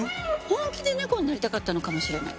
本気でネコになりたかったのかもしれない。